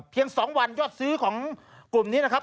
๒วันยอดซื้อของกลุ่มนี้นะครับ